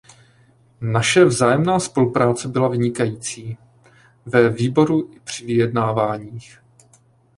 Naše vzájemná spolupráce byla vynikající, ve výboru i při vyjednáváních.